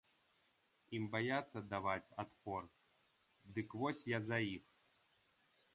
Ім баяцца даваць адпор, дык вось я за іх.